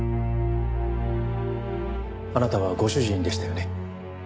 あなたはご主人でしたよね？